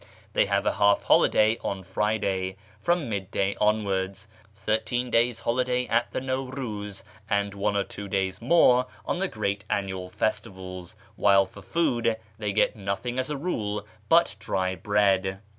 They have a half holiday on Friday (from mid day onwards), thirteen days' holiday at the Naw Euz, and one or two days more on the great annual festivals, wdiile for food they get nothing as a rule but dry bread.